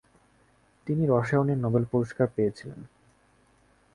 তিনি রসায়নের নোবেল পুরস্কার পেয়েছিলেন ।